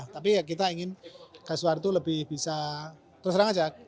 tapi kita ingin gas suar itu lebih bisa terserang saja